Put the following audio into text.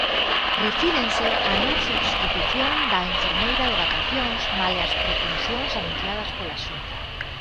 Refírense á non substitución da enfermeira de vacacións malia as "pretensións" anunciadas pola Xunta.